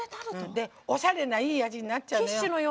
おしゃれないい味になっちゃうのよ。